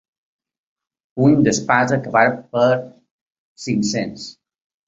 Puny d'espasa que val per cinc-cents.